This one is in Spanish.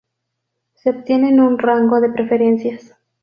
Se obtienen un rango de preferencias.